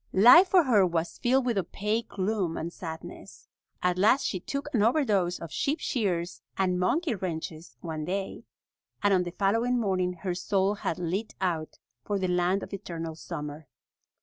Life for her was filled with opaque gloom and sadness. At last she took an overdose of sheep shears and monkey wrenches one day, and on the following morning her soul had lit out for the land of eternal summer.